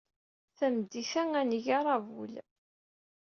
Tameddit-a, ad d-neg aṛabul.